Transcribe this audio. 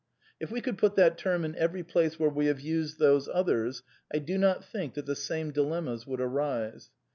If we could put that term in every place where we have used those others t do not think that the same dilemmas would arise.